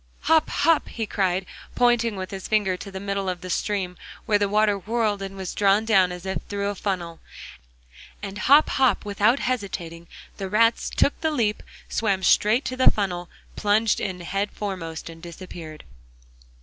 'Hop! hop!' he cried, pointing with his finger to the middle of the stream, where the water whirled and was drawn down as if through a funnel. And hop! hop! without hesitating, the rats took the leap, swam straight to the funnel, plunged in head foremost and disappeared.